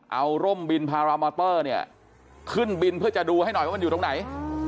เอาร่มบินพารามอเตอร์เนี่ยขึ้นบินเพื่อจะดูให้หน่อยว่ามันอยู่ตรงไหน